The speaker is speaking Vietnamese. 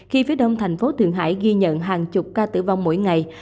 khi phía đông thành phố thượng hải ghi nhận hàng chục ca tử vong mỗi ngày